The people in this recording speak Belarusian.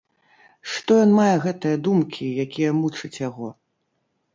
Што ён мае гэтыя думкі, якія мучаць яго?